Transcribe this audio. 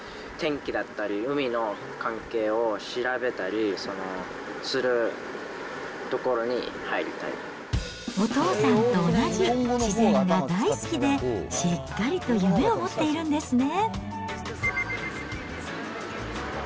ノアっていう、アメリカ全体の天気だったり海の関係を調べたりするところに入りお父さんと同じ、自然が大好きで、しっかりと夢を持っているんですね。